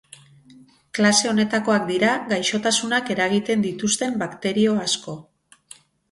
Klase honetakoak dira gaixotasunak eragiten dituzten bakterio asko.